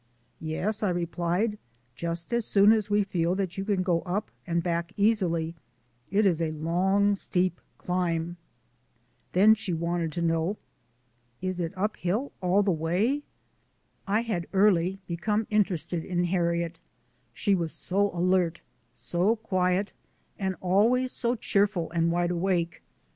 "Yes," I replied, "just as soon as we feel that you can go up and back easily. It is a long, steep climb." Then she wanted to know: "Is it uphill all the way?" I had early become interested in Harriet, she 229 230 THE ADVENTURES OF A NATURE GUIDE was so alert, so quiet, and always so cheerful and wide awake.